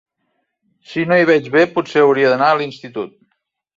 Si no hi veig bé, potser hauria d'anar a l'institut.